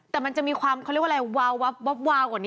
แต่มันจะมีความเขาเรียกว่าอะไรวาวับวาวกว่านี้